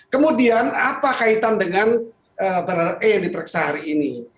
kemudian apa kaitan dengan barada e yang diperiksa hari ini